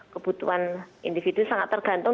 kebutuhan individu sangat tergantung